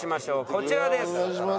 こちらです。